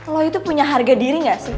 lo itu punya harga diri nggak sih